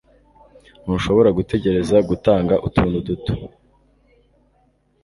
ntushobora gutegereza gutanga utuntu duto